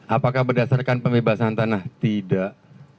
apakah berdasarkan pembebasan tanah tidak